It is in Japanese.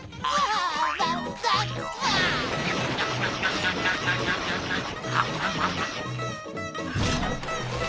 ああ。